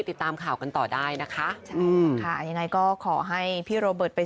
ติดตามข่าวกันต่อได้นะคะใช่ค่ะยังไงก็ขอให้พี่โรเบิร์ตไป